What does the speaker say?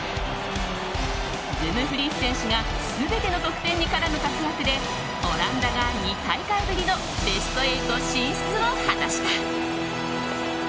ドゥムフリース選手が全ての得点に絡む活躍でオランダが２大会ぶりのベスト８進出を果たした。